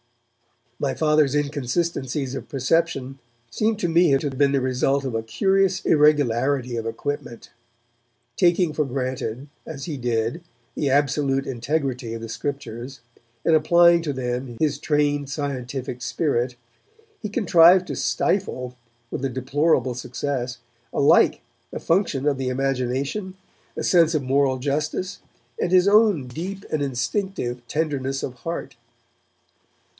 My Father's inconsistencies of perception seem to me to have been the result of a curious irregularity of equipment. Taking for granted, as he did, the absolute integrity of the Scriptures, and applying to them his trained scientific spirit, he contrived to stifle, with a deplorable success, alike the function of the imagination, the sense of moral justice, and his own deep and instinctive tenderness of heart.